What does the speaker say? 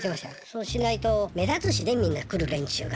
そうしないと目立つしねみんな来る連中が。